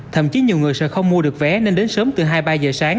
thậm chí nhiều người sẽ không mua được vé nên đến sớm từ hai mươi ba giờ sáng